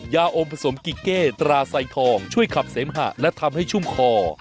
ยาอมผสมกิเก้ตราไซทองช่วยขับเสมหะและทำให้ชุ่มคอ